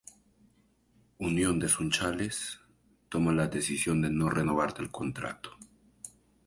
Unión de Sunchales toma la decisión de no renovarle el contrato.